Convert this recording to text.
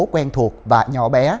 quen thuộc và nhỏ bé